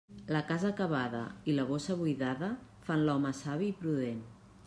La casa acabada i la bossa buidada fan l'home savi i prudent.